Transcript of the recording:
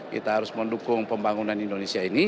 kita harus mendukung pembangunan indonesia ini